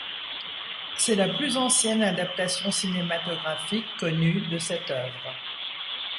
C'est la plus ancienne adaptation cinématographique connue de cette œuvre.